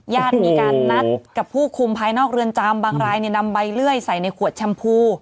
ญาติมีการนัดกับผู้คุมภายนอกเรือนจำบางรายนำใบเลื่อยใส่ในขวดชมพู